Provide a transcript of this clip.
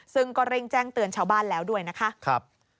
ซึ่งก็เร่งแจ้งเตือนชาวบ้านแล้วด้วยนะคะ